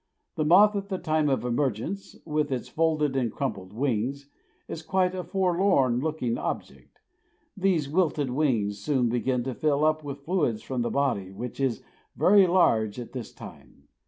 The moth at the time of emergence, with its folded and crumpled wings, is quite a forlorn looking object. These wilted wings soon begin to fill up with fluids from the body, which is very large at this time.